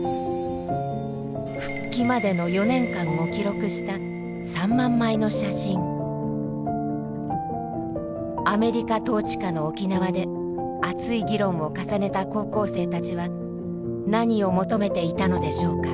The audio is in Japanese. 復帰までの４年間を記録したアメリカ統治下の沖縄で熱い議論を重ねた高校生たちは何を求めていたのでしょうか。